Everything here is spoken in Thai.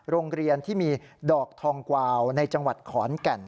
โรงเรียนที่มีดอกทองกวาวในจังหวัดขอนแก่น